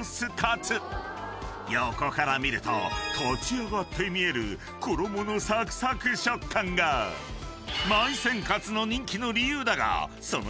［横から見ると立ち上がって見える衣のサクサク食感が「まい泉」カツの人気の理由だがその］